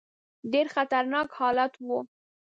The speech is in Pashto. ډېر خطرناک حالت وو.